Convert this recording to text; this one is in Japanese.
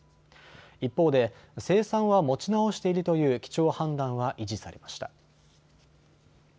一方で生産は持ち直しているという基調判断は維持されました。